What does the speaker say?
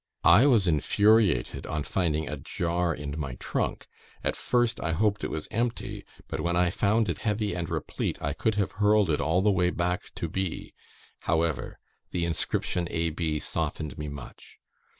I was infuriated on finding a jar in my trunk. At first, I hoped it was empty, but when I found it heavy and replete, I could have hurled it all the way back to B . However, the inscription A. B. softened me much.